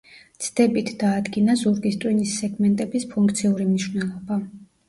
ცდებით დაადგინა ზურგის ტვინის სეგმენტების ფუნქციური მნიშვნელობა.